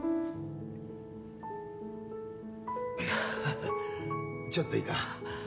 ハハッちょっといいか？